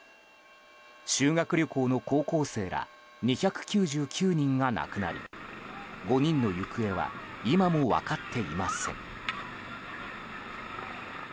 修学旅行の高校生ら２９９人が亡くなり５人の行方は今も分かっていません。